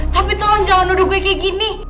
tapi tolong jangan duduk gue kayak gini